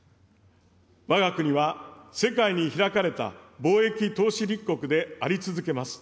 わが国は世界に開かれた貿易投資立国であり続けます。